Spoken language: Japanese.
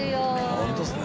本当ですね。